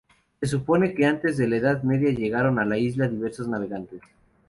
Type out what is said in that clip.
Se supone que antes de la Edad Media llegaron a la isla diversos navegantes.